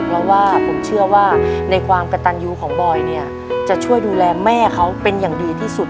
เพราะว่าผมเชื่อว่าในความกระตันยูของบอยเนี่ยจะช่วยดูแลแม่เขาเป็นอย่างดีที่สุด